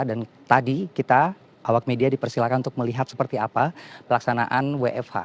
dan tadi kita awak media dipersilakan untuk melihat seperti apa pelaksanaan wfh